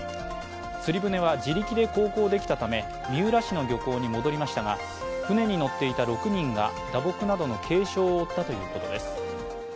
釣り船は自力で航行できたため三浦市の漁港に戻りましたが、船に乗っていた６人が打撲などの軽傷を負ったということです。